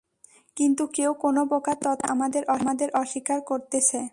কিন্ত কেউ কোন প্রকার তথ্য দিতে আমাদের অস্বীকার করতেছে।